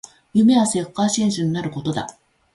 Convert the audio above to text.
夢はサッカー選手になることだ